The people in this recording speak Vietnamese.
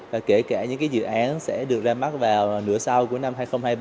và kể cả những dự án sẽ được ra mắt vào nửa sau của năm hai nghìn hai mươi ba